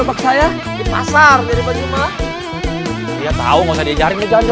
udah jalan sana